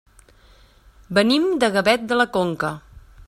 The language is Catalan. Venim de Gavet de la Conca.